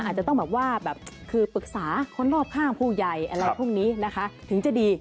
อาจจะต้องแบบว่าแบบคือปรึกษาคนรอบข้างผู้ใหญ่อะไรพวกนี้นะคะถึงจะดี